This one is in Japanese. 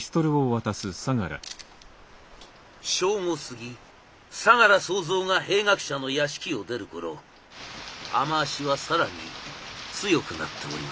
正午過ぎ相楽総三が兵学者の屋敷を出る頃雨足は更に強くなっておりました。